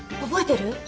覚えてる？